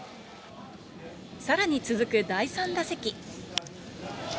さらに続く第３打席。